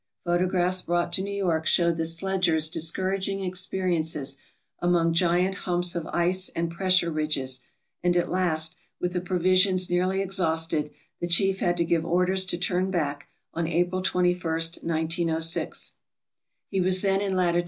Photographs brought to New York showed the sledgers' discouraging experiences among giant humps of ice and pressure ridges, and at last, with the provisions nearly ex hausted, the chief had to give orders to turn back, on April 21, 1906. He was then in lat.